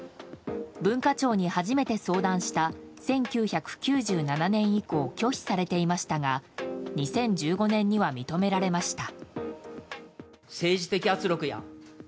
文化庁に初めて相談した１９９７年以降拒否されていましたが２０１５年には認められました。